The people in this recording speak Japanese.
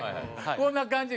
こんな感じ。